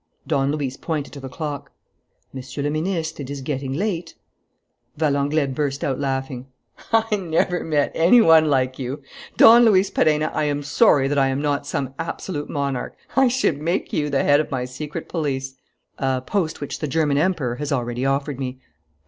Don Luis pointed to the clock: "Monsieur le Ministre, it is getting late." Valenglay burst out laughing. "I never met any one like you! Don Luis Perenna, I am sorry that I am not some absolute monarch. I should make you the head of my secret police." "A post which the German Emperor has already offered me."